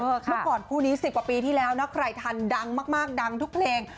เมื่อก่อนคู่นี้๑๐กว่าปีที่แล้วนะใครทันดังมากดังทุกเพลง